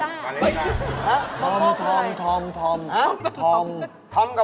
ธอมธอมกับบางโกก็เหมือนกันอย่างนี่